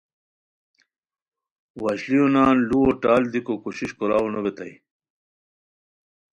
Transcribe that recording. وشلیو نان لوؤ ٹال دیکو کوشش کوراؤ نو بیتائے